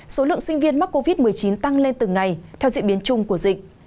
số lượng sinh viên mắc covid một mươi chín tăng lên từng ngày theo diễn biến chung của dịch